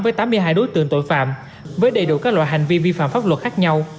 với tám mươi hai đối tượng tội phạm với đầy đủ các loại hành vi vi phạm pháp luật khác nhau